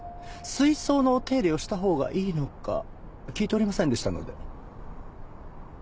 水槽のお手入れをしたほうがいいのか聞いておりませんでしたので。